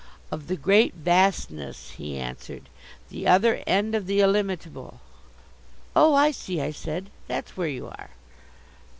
"Of the great vastness," he answered. "The other end of the Illimitable." "Oh, I see," I said, "that's where you are."